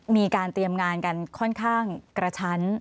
มีการเตรียมงานกันค่อนข้างกระชั้น